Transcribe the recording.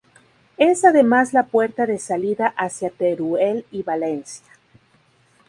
Es además la puerta de salida hacia Teruel y Valencia.